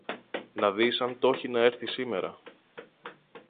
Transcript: να δεις αν το ’χει να έρθει σήμερα